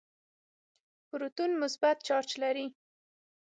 پروتون مثبت چارج لري.